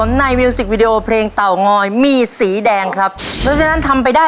ชูเลือดที่